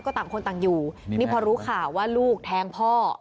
ก็ต่างคนต่างอยู่นี่พอรู้ข่าวว่าลูกแทงพ่อ